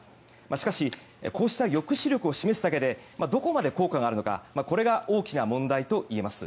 しかしこうした抑止力を示すだけでどこまで効果があるのかこれが大きな問題といえます。